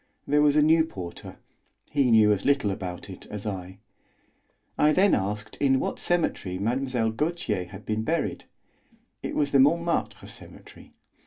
There was a new porter; he knew as little about it as I. I then asked in what cemetery Mlle. Gautier had been buried. It was the Montmartre Cemetery.